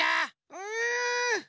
うん。